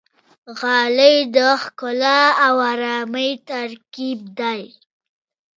غالۍ د ښکلا او آرامۍ ترکیب دی.